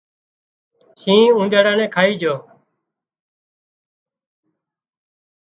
شينهن اونۮيڙا نين کائي جھو